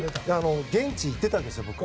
現地に行ってたんですよ、僕。